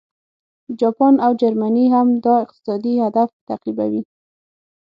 جاپان او جرمني هم دا اقتصادي هدف تعقیبوي